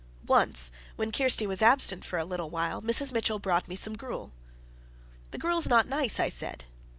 Once, when Kirsty was absent for a little while, Mrs. Mitchell brought me some gruel. "The gruel's not nice," I said.